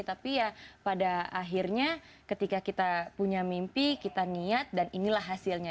tapi ya pada akhirnya ketika kita punya mimpi kita niat dan inilah hasilnya